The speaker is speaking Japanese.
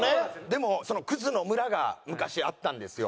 でもクズの村が昔あったんですよ。